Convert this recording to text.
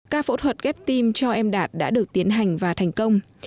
ca phẫu thuật ghép tim cho em đạt đã được tiến hành và thành công